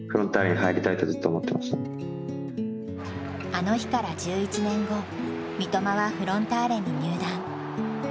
あの日から１１年後三笘はフロンターレに入団。